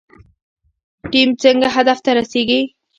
ټیم څنګه هدف ته رسیږي؟